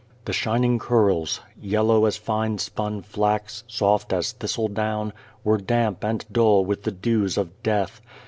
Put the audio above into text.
The shining curls, yellow as fine spun flax, soft as thistle down, were damp and dull with the dews of death.